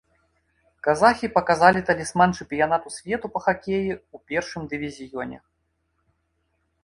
Казахі паказалі талісман чэмпіянату свету па хакеі ў першым дывізіёне.